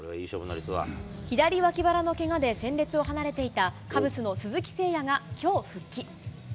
左脇腹のけがで戦列を離れていたカブスの鈴木誠也がきょう復帰。